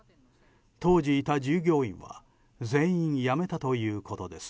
当時いた従業員は全員辞めたということです。